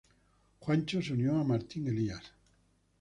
Juancho se unió a Martín Elías.